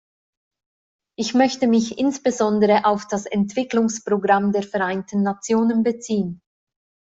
Ich möchte mich insbesondere auf das Entwicklungsprogramm der Vereinten Nationen beziehen.